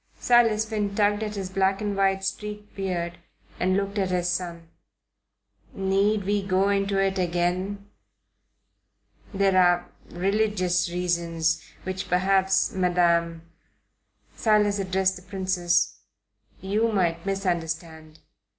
Silas Finn tugged at his black and white streaked beard and looked at his son. "Need we go into it again? There are religious reasons, which perhaps, Madam" Silas addressed the Princess "you might misunderstand.